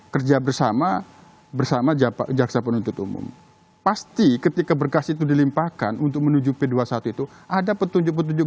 kerja bersama bersama japa jaksa penuntut umum pasti ketika berkas itu dilimpahkan untuk menuju p dua puluh satu itu ada petunjuk petunjuk